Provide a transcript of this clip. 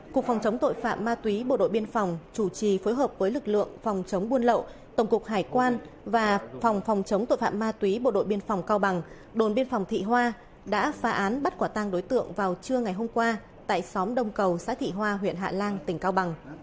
cục phòng chống tội phạm ma túy bộ đội biên phòng chủ trì phối hợp với lực lượng phòng chống buôn lậu tổng cục hải quan và phòng phòng chống tội phạm ma túy bộ đội biên phòng cao bằng đồn biên phòng thị hoa đã phá án bắt quả tăng đối tượng vào trưa ngày hôm qua tại xóm đông cầu xã thị hoa huyện hạ lan tỉnh cao bằng